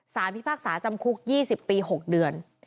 ศานภิพภาคศาจำคุกยี่สิบปีหกเดือน